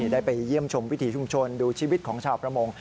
ได้ไปเยี่ยมชมวิถีชุมชนดูชีวิตของชาวประมง